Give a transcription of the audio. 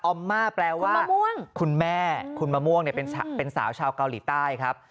มาแปลว่าคุณแม่คุณมะม่วงเป็นสาวชาวเกาหลีใต้ครับ